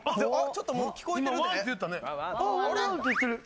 ちょっともう聞こえてるで。